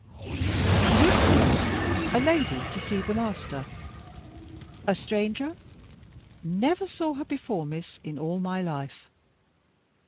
"Yes, miss; a lady, to see the master." "A stranger?" "Never saw her before, miss, in all my life."